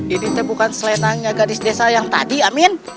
ini bukan selenangnya gadis desa yang tadi amin